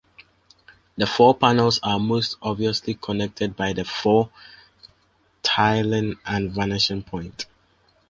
The four panels are most obviously connected by the floor tiling and vanishing point.